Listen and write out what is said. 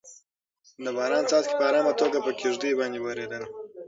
د باران څاڅکي په ارامه توګه په کيږديو باندې ورېدل.